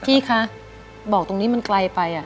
พี่คะบอกตรงนี้มันไกลไป